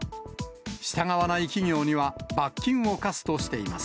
従わない企業には罰金を科すとしています。